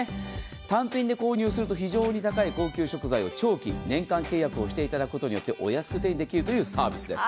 単品で購入すると非常に高い高級食材を長期、年間契約をしていただくことによってお安く手にできるというサービスです。